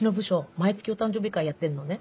毎月お誕生日会やってんのね。